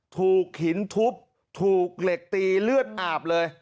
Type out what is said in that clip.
ถูกหินทุบถูกเหล็กตีเลือดอาบเลย